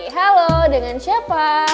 halo dengan siapa